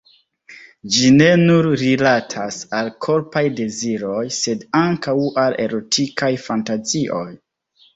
Ĝi ne nur rilatas al korpaj deziroj, sed ankaŭ al erotikaj fantazioj.